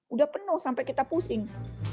udah penuh sampai kita pusing